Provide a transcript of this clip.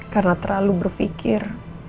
karena terlalu berpikir